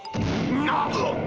なっ！